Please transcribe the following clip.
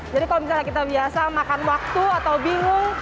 jadi kalau misalnya kita biasa makan waktu atau bingung